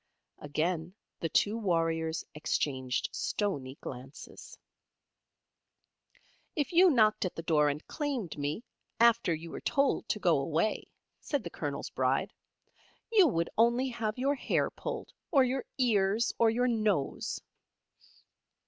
Again the two warriors exchanged stoney glances. "If you knocked at the door and claimed me, after you were told to go away," said the Colonel's Bride, "you would only have your hair pulled, or your ears, or your nose."